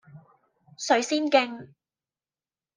水仙徑